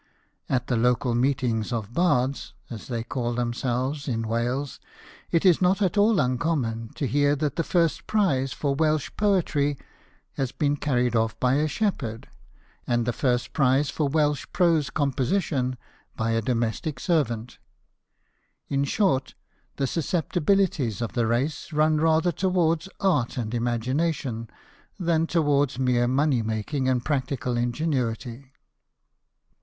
At the local meetings of bards (as they call themselves) in Wales, it is not at all uncommon to hear that the first prize for Welsh poetry has been carried off by a shep herd, and the first prize for Welsh prose com position by a domestic servant. In short, the susceptibilities of the race run rather toward art and imagination, than toward mere money making and practical ingenuity.